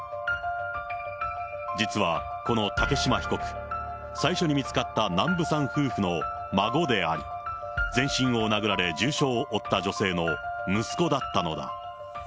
実はこの竹島被告、最初に見つかった南部さん夫婦の孫であり、全身を殴られ重傷を負った女性の息子だったのだ。